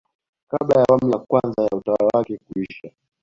kabla ya awamu ya kwanza ya utawala wake kuisha